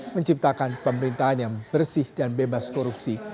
menciptakan pemerintahan yang bersih dan bebas korupsi